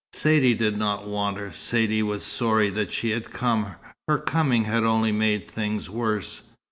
Saidee did not want her. Saidee was sorry that she had come. Her coming had only made things worse.